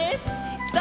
さあ